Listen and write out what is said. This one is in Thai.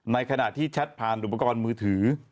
ในขณะที่แชทผ่านอุปกรณ์มือถือ